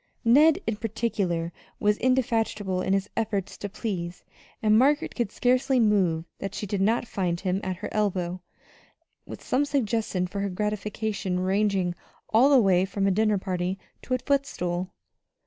Ned, in particular, was indefatigable in his efforts to please; and Margaret could scarcely move that she did not find him at her elbow with some suggestion for her gratification ranging all the way from a dinner party to a footstool.